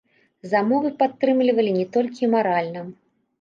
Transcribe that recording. Замовы падтрымлівалі не толькі маральна.